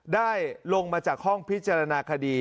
ลงมาจากห้องพิจารณาคดี